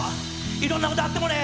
いろんなことがあってもね